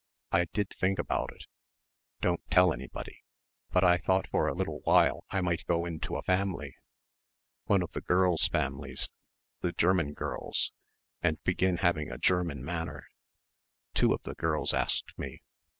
I did think about it. Don't tell anybody. But I thought for a little while I might go into a family one of the girls' families the German girls, and begin having a German manner. Two of the girls asked me.